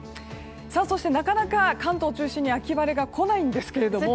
そして、なかなか関東を中心に秋晴れが来ないですよね。